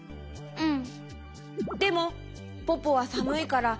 うん。